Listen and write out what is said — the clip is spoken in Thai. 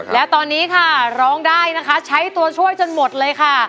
และตอนนี้ค่ะร้องได้นะคะใช้ตัวช่วยจนหมดเลยค่ะ